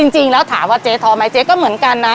จริงแล้วถามว่าเจ๊ท้อไหมเจ๊ก็เหมือนกันนะ